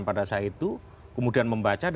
pada saat itu kemudian membaca